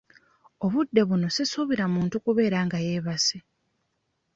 Obudde buno sisuubira muntu kubeera nga yeebase.